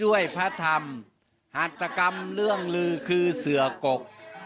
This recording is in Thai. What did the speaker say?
พระธรรมหัตกรรมเรื่องลือคือเสือกก